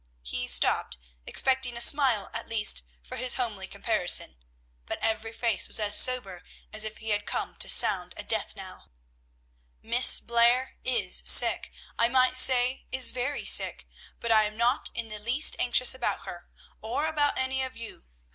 (He stopped, expecting a smile at least for his homely comparison, but every face was as sober as if he had come to sound a death knell.) "Miss Blair is sick, I might say is very sick, but I am not in the least anxious about her, or about any of you.